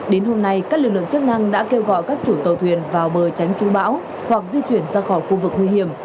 đến hôm nay các lực lượng chức năng đã kêu gọi các chủ tàu thuyền vào bờ tránh chú bão hoặc di chuyển ra khỏi khu vực nguy hiểm